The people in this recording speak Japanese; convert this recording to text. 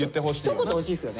ひと言欲しいんすよね。